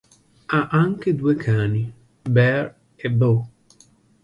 Ha anche due cani, Bear e Beau.